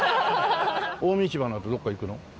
近江市場のあとどっか行くの？